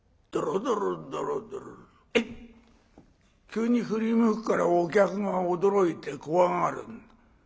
急に振り向くからお客が驚いて怖がるんだ。